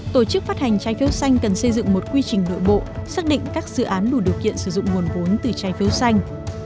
tổ chức phát hành trái phiếu xanh cần xây dựng một quy trình nội bộ xác định các dự án đủ điều kiện sử dụng nguồn vốn từ trái phiếu xanh